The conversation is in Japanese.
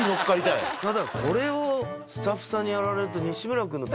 ただこれをスタッフさんにやられると。